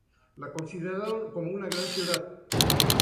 La consideraron como una gran ciudad.